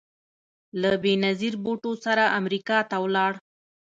له بېنظیر بوټو سره امریکا ته ولاړ